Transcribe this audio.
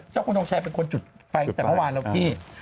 เจ้าคุณทงชัยเป็นคนจุดไฟประมวารครับพี่